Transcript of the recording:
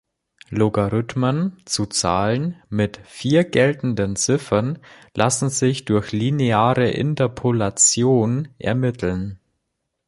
Logarithmen zu Zahlen mit vier geltenden Ziffern lassen sich durch lineare Interpolation ermitteln.